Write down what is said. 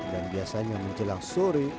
dan biasanya menjelang sore